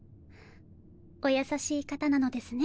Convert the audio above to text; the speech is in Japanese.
お優しい方なのですね